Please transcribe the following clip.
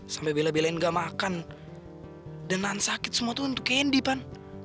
sampai bila bila yang gak makan dengan sakit semua itu untuk candy pan